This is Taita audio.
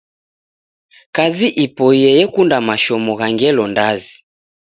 Kazi ipoiye yekunda mashomo gha ngelo ndazi